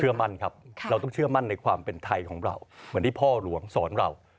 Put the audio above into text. มั่นครับเราต้องเชื่อมั่นในความเป็นไทยของเราเหมือนที่พ่อหลวงสอนเรา